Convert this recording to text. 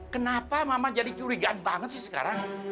kenapa mama jadi curigaan banget sih sekarang